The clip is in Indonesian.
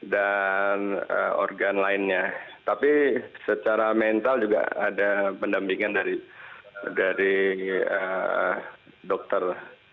dan organ lainnya tapi secara mental juga ada pendampingan dari dokter